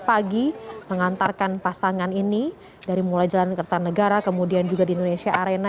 pagi mengantarkan pasangan ini dari mulai jalan kertanegara kemudian juga di indonesia arena